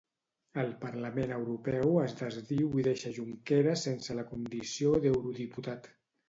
El Parlament Europeu es desdiu i deixa Junqueras sense la condició d'eurodiputat.